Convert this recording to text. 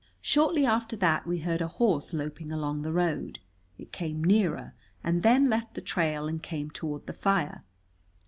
Shortly after that we heard a horse loping along the road. It came nearer, and then left the trail and came toward the fire.